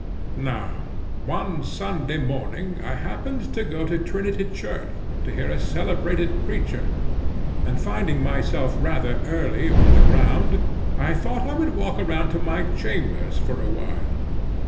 Now, one Sunday morning I happened to go to Trinity Church, to hear a celebrated preacher, and finding myself rather early on the ground, I thought I would walk around to my chambers for a while.